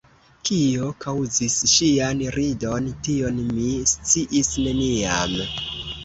Kio kaŭzis ŝian ridon, tion mi sciis neniam.